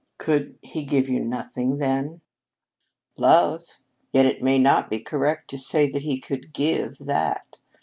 "Could he give you nothing, then?" "Love. Yet it may not be correct to say that he could give that.